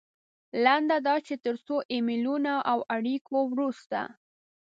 لنډه دا چې تر څو ایمیلونو او اړیکو وروسته.